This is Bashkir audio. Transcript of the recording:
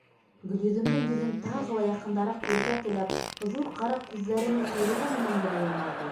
Гөлйөҙөмдөң йөҙөн тағы ла яҡынданыраҡ күрергә теләп, ҙур ҡара күҙҙәренең ҡойроғо менән генә йылмайҙы.